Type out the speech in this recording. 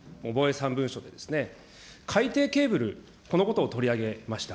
３文書で、海底ケーブル、このことを取り上げました。